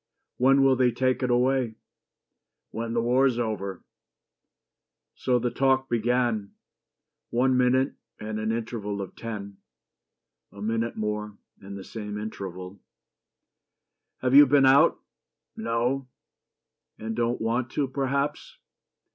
"When will they take it away?" "When the war's over." So the talk began One minute and an interval of ten, A minute more and the same interval. "Have you been out?" "No." "And don't want to, perhaps?"